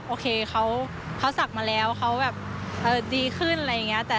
โอเคเขาศักดิ์มาแล้วเขาแบบดีขึ้นอะไรอย่างนี้